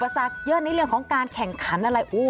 ปศักดิ์เยอะในเรื่องของการแข่งขันอะไรอู้